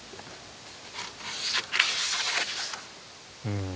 うん。